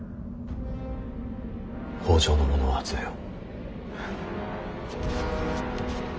北条の者を集めよ。